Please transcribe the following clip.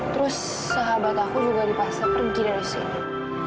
terus sahabat aku juga dipaksa pergi dari sini